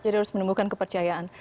jadi harus menemukan kepercayaan